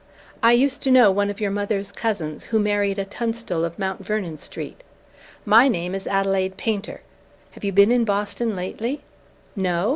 I used to know one of your mother's cousins, who married a Tunstall of Mount Vernon Street. My name is Adelaide Painter. Have you been in Boston lately? No?